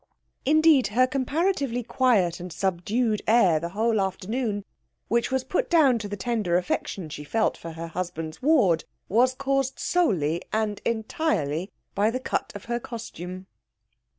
Indeed, her comparatively quiet and subdued air the whole afternoon, which was put down to the tender affection she felt for her husband's ward, was caused solely and entirely by the cut of her costume.